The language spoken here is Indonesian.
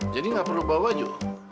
jadi gak perlu bawa baju